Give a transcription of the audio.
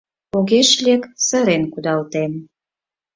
Огеш лек — сырен кудалтем.